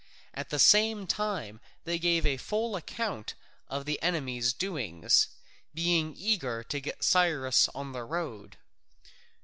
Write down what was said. At the same time they gave a full account of the enemy's doings, being eager to get Cyrus on the road.